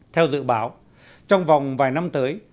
theo dự báo trong vòng vài năm tới